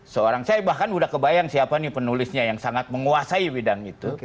seorang saya bahkan udah kebayang siapa nih penulisnya yang sangat menguasai bidang itu